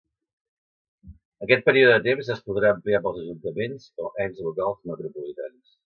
Aquest període de temps es podrà ampliar pels ajuntaments o ens locals metropolitans.